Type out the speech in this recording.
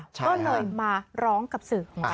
ก็เลยมาร้องกับสื่อ